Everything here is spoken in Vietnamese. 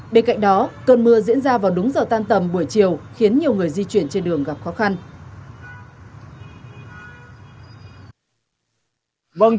bên cạnh đó cơn mưa diễn ra vào đúng giờ tan tầm buổi chiều khiến nhiều người di chuyển trên đường gặp khó khăn